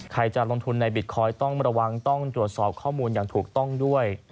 ใครจะลงทุนในบิตคอยน์ต้องระวังต้องตรวจสอบข้อมูลอย่างถูกต้องด้วย